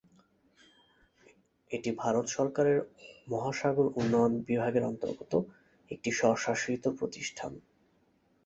এটি ভারত সরকারের মহাসাগর উন্নয়ন বিভাগের অন্তর্গত একটি স্বশাসিত প্রতিষ্ঠান।